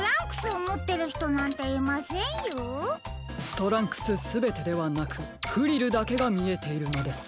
トランクスすべてではなくフリルだけがみえているのです。